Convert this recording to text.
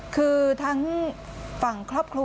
คือทั้งฝั่งครอบครัวทั้งพวกเรา